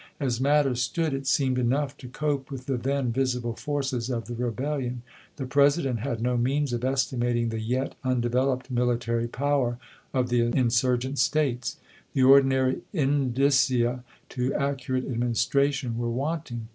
As matters stood, it seemed enough to cope with the then visible forces of the rebellion ; the President had no means of estimating the yet undeveloped military power of the insurgent States. The ordinary in dicia to accurate administration were wanting.